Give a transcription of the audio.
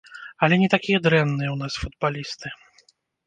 Але не такія дрэнныя ў нас футбалісты.